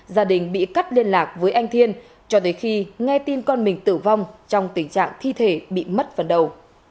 gia đình bị cắt liên lạc với anh thiên cho tới khi nghe tin con mình tử vong trong tình trạng thi thể bị mất phần đầu